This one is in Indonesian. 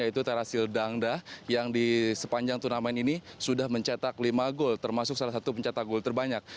yaitu terasil dangda yang di sepanjang turnamen ini sudah mencetak lima gol termasuk salah satu pencetak gol terbanyak